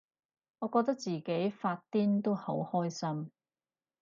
我覺得自己發癲都好開心